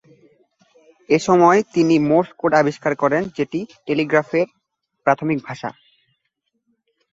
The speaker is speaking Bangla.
এসময় তিনি মোর্স কোড আবিষ্কার করেন, যেটি টেলিগ্রাফের প্রাথমিক ভাষা।